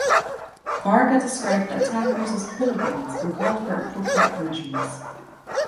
Varga described the attackers as "hooligans" and called for appropriate punishments.